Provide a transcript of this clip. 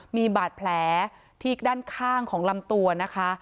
มีบาดแผลที่ด้านข้างของลำตัวนะคะ